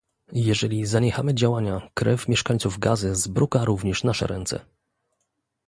Jeżeli zaniechamy działania, krew mieszkańców Gazy zbruka również nasze ręce